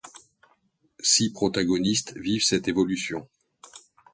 Six protagonistes vivent cette évolution.